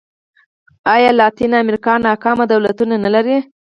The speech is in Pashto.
ایا لاتینه امریکا ناکام دولتونه نه لري.